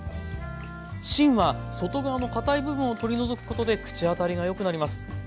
芯は外側のかたい部分を取り除くことで口当たりがよくなります。